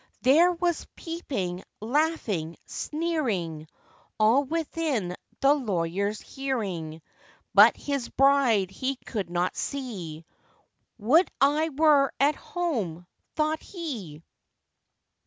There was peeping, laughing, sneering, All within the lawyer's hearing; But his bride he could not see; 'Would I were at home!' thought he.